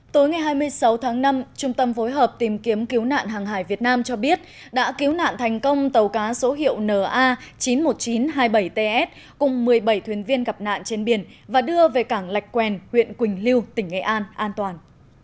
tối ngày hai mươi sáu tháng năm trung tâm phối hợp tìm kiếm cứu nạn hàng hải việt nam cho biết đã cứu nạn thành công tàu cá số hiệu na chín mươi một nghìn chín trăm hai mươi bảy ts cùng một mươi bảy thuyền viên gặp nạn trên biển và đưa về cảng lạch quen huyện quỳnh lưu tỉnh nghệ an an toàn